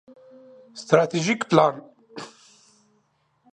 ستراتیژیک پلان